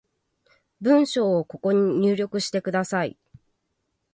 文章をここに入力してください